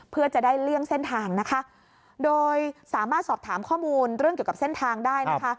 เพื่อจะได้เลี่ยงเส้นทางนะคะโดยสามารถสอบถามข้อมูลเรื่องเกี่ยวกับเส้นทางได้นะคะ